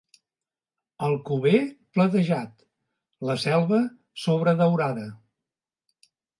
Alcover, platejat; la Selva, sobredaurada.